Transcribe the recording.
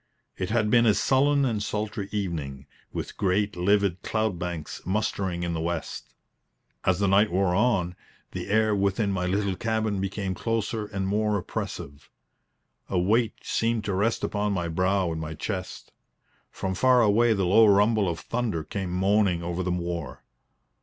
It had been a sullen and sultry evening, with great livid cloud banks mustering in the west. As the night wore on, the air within my little cabin became closer and more oppressive. A weight seemed to rest upon my brow and my chest. From far away the low rumble of thunder came moaning over the moor.